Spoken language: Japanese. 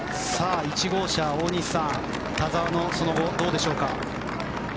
１号車、大西さん田澤のその後、どうでしょうか。